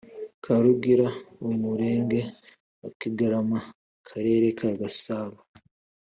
karugira umurenge wa kigarama akarere ka gasabo